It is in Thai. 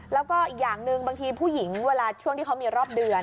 แล้วก็อีกอย่างหนึ่งบางทีผู้หญิงเวลาช่วงที่เขามีรอบเดือน